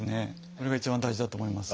それが一番大事だと思います。